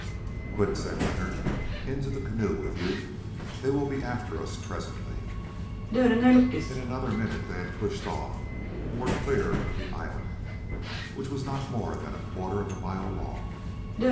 "Quick," said Leonard, "into the canoe with you. They will be after us presently." In another minute they had pushed off and were clear of the island, which was not more than a quarter of a mile long.